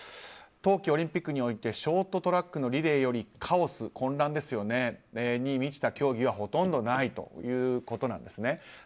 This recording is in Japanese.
冬季オリンピックにおいてショートトラックのリレーよりカオス、混乱に満ちた競技はほとんどないということなんです。